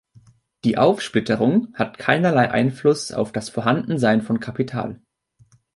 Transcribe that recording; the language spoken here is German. Die Aufsplitterung hat keinerlei Einfluss auf das Vorhandensein von Kapital.